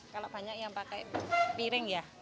kalau banyak yang pakai piring ya